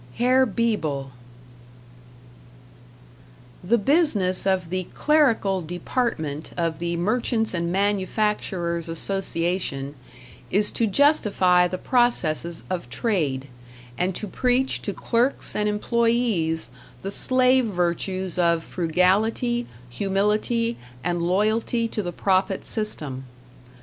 #"Herr Beeble"# The business of the Clerical Department of the Merchants' and Manufacturers' Association is to justify the processes of trade, and to preach to clerks and employees the slave virtues of frugality, humility, and loyalty to the profit system.